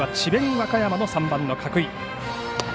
和歌山の３番の角井。